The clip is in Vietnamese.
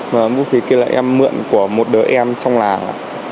vũ khí kia là em mượn của một đứa em trong làng